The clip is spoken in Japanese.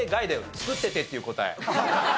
「作っていて」っていう答え。